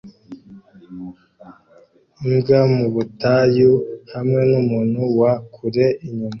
Imbwa mu butayu hamwe numuntu wa kure inyuma